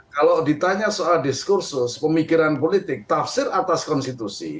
kalau ditanya soal diskursus pemikiran politik tafsir atas konstitusi